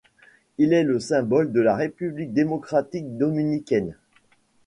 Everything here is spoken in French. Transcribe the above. Il est le symbole de la République Démocratique Dominicaine.